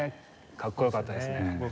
かっこよかったですね。